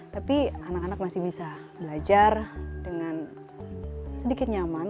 tapi anak anak masih bisa belajar dengan sedikit nyaman